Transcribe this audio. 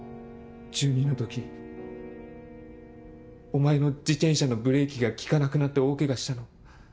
１２の時お前の自転車のブレーキが利かなくなって大ケガしたの。